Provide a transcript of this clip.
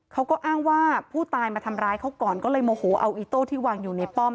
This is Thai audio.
เขาก็อ้างว่าผู้ตายมาทำร้ายเขาก่อนก็เลยโมโหเอาอีโต้ที่วางอยู่ในป้อม